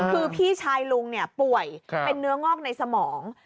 คือพี่ชายลุงป่วยเป็นเนื้องอกในสมอง